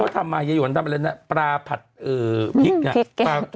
อย่างเหมือนที่เขาทำมายะหยวนปลาผัดพริก